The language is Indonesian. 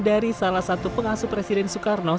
dari salah satu pengasuh presiden soekarno